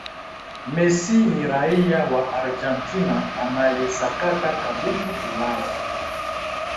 messi ni raia wa argentina anayesakata kambumbu ulaya